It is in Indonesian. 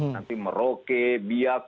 nanti merauke biak